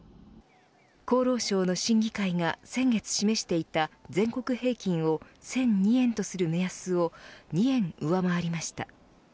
厚労省の審議会が先月示していた全国平均を１００２円とする目安を２円上回りました。